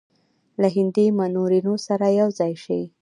له هندي منورینو سره یو ځای شي.